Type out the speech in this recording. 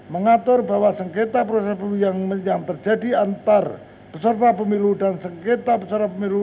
mengatur bahwa sengketa proses pemilu yang terjadi antar peserta pemilu dan sengketa peserta pemilu